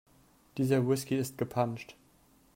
Dieser Whisky ist gepanscht.